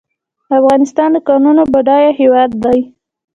افغانستان د کانونو بډایه هیواد دی